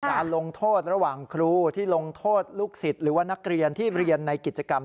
การลงโทษระหว่างครูที่ลงโทษลูกศิษย์หรือว่านักเรียนที่เรียนในกิจกรรม